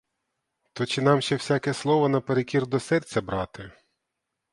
То чи нам ще всяке слово наперекір до серця брати!